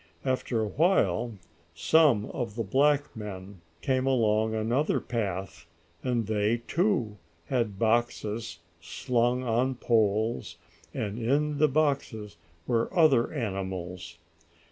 After a while some other black men came along another path, and they, too, had boxes slung on poles, and in the boxes were other animals.